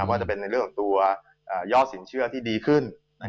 ว่าจะเป็นในเรื่องของตัวยอดสินเชื่อที่ดีขึ้น